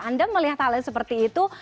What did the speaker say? anda melihat halnya seperti itu